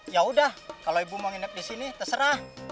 yaudah kalo ibu mau nginep disini terserah